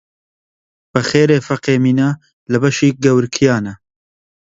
بە خێرێ فەقێ مینە لە بەشی گەورکیانە